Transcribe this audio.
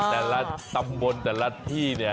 แต่ละตำบลแต่ละที่เนี่ย